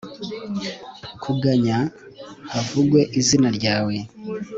kuganya, havugwe izina ryawe